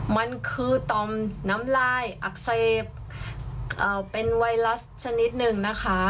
มันคือต่อมน้ำลายอักเสบเป็นไวรัสชนิดหนึ่งนะคะ